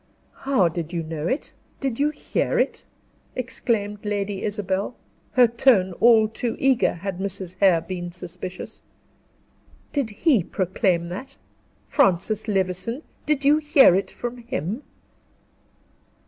"How did you know it? Did you hear it?" exclaimed Lady Isabel, her tone all too eager, had Mrs. Hare been suspicious. "Did he proclaim that Francis Levison? Did you hear it from him?"